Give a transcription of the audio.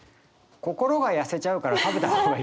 「心がやせちゃうから食べたほうがいい」。